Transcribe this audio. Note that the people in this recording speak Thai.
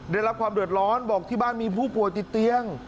ได้รับความเดือดร้อนบอกที่บ้านมีผู้ป่วยติดเตียง